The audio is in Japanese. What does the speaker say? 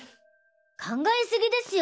考えすぎですよ